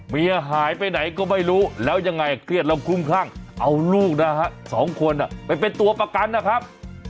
เมียหายไปไหนก็ไม่รู้แล้วยังไงเครียดแล้วคลุ้มคลั่งเอาลูกนะฮะสองคนไปเป็นตัวประกันนะครับ